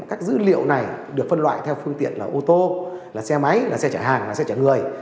các dữ liệu này được phân loại theo phương tiện là ô tô là xe máy là xe chở hàng là xe chở người